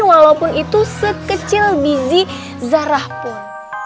walaupun itu sekecil bizi zarah pun